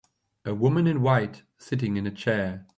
A woman in white sitting in a chair.